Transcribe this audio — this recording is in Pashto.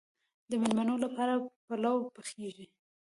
د میلمنو لپاره پلو پخیږي.